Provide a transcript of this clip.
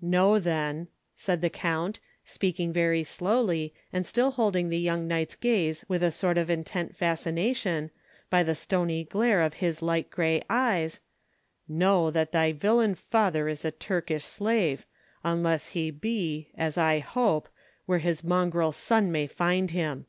"Know then," said the count, speaking very slowly, and still holding the young knight's gaze with a sort of intent fascination, by the stony glare of his light gray eyes, "know that thy villain father is a Turkish slave, unless he be—as I hope—where his mongrel son may find him."